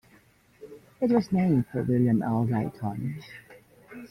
It was named for William L. Dayton.